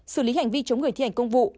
xử lý hành vi chống người thi hành công vụ